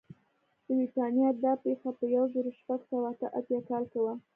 د برېټانیا دا پېښه په یو زرو شپږ سوه اته اتیا کال کې وه.